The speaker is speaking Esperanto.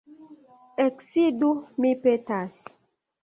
Eksidu, mi petas.